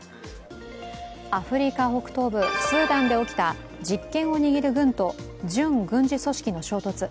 アフリカ北東部スーダンで起きた実権を握る軍と準軍事組織の衝突。